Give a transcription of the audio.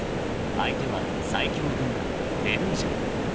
［相手は最強軍団ペルージャ］